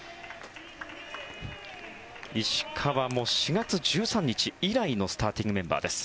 石川も４月１３日以来のスターティングメンバーです。